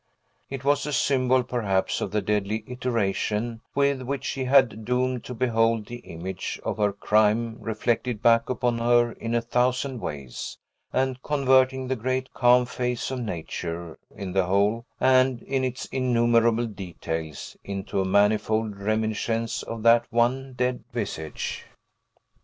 It was a symbol, perhaps, of the deadly iteration with which she was doomed to behold the image of her crime reflected back upon her in a thousand ways, and converting the great, calm face of Nature, in the whole, and in its innumerable details, into a manifold reminiscence of that one dead visage.